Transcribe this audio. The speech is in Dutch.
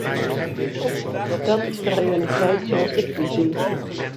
Dat is de realiteit zoals ik die zie.